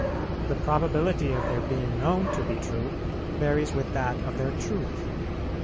The probability of their being known to be true varies with that of their truth.